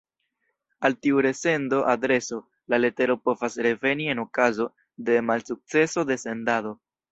Al tiu resendo-adreso la letero povas reveni en okazo de malsukceso de sendado.